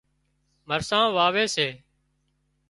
مرسان واوي سي